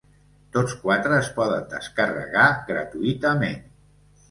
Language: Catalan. Tots quatre es poden descarregar gratuïtament.